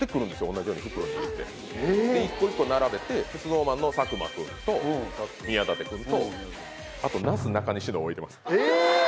同じように袋に入れてで１個１個並べてＳｎｏｗＭａｎの佐久間君と宮舘君とあとなすなかにしのを置いてますえーっ！